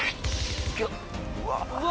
うわ！